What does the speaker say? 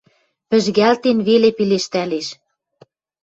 Пӹжгӓлтен веле пелештӓлеш: